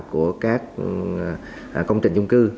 của các công trình chung cư